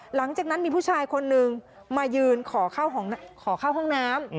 หลังจากนั้นมีผู้ชายคนนึงมายืนขอเข้าห้องน้ำ